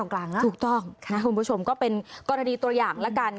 คุณผู้ชมก็เป็นกรณดีตัวอย่าง